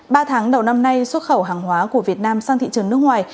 ba tháng đầu năm nay xuất khẩu hàng hóa của việt nam sang thị trường nước ngoài